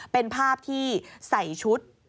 เป็นภาพที่ใส่ชุด